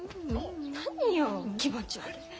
何よ気持ち悪い。